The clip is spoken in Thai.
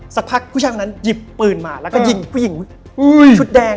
สักพักผู้ชายคนนั้นหยิบปืนมาแล้วก็ยิงผู้หญิงชุดแดง